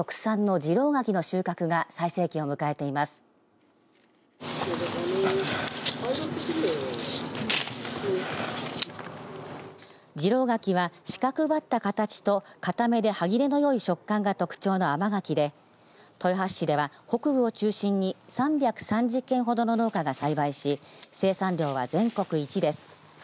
次郎柿は四角ばった形と堅めで歯切れのよい触感が特徴の甘柿で豊橋市では、北部を中心に３３０軒ほどの農家が栽培し生産量は全国一です。